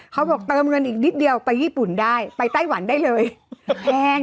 เขาบอกเติมเงินอีกนิดเดียวไปญี่ปุ่นได้ไปไต้หวันได้เลยแพง